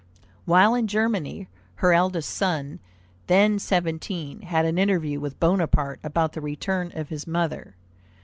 '" While in Germany, her eldest son, then seventeen, had an interview with Bonaparte about the return of his mother.